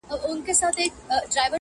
• او همدغه موزونیت دی -